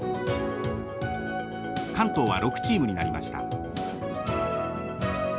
関東は６チームになりました。